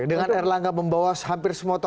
dengan erlangga membawa hampir semua toko senior